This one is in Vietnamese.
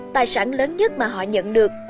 tài sản lớn nhất mà họ nhận được